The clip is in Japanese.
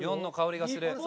４の香りがする。